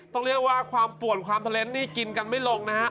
ต้องเรียกว่าความป่วนความเทอร์เน้นนี่กินกันไม่ลงนะฮะ